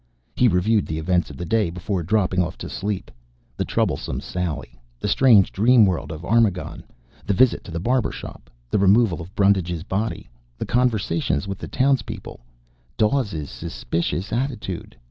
He reviewed the events of the day before dropping off to sleep. The troublesome Sally. The strange dream world of Armagon. The visit to the barber shop. The removal of Brundage's body. The conversations with the townspeople. Dawes' suspicious attitude